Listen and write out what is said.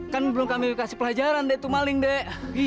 kan belum kami kasih pelajaran dek itu maling dek